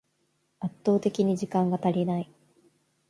圧倒的に時間が足りない